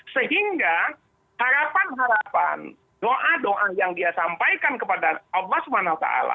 sehingga harapan harapan doa doa yang dia sampaikan kepada allah swt